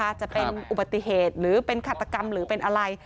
จะเป็นอุบัติเหตุหรือเป็นฆาตกรรมหรือเป็นอะไร